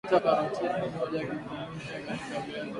beta karotini ni moja ya vitamini A katika viazi lishe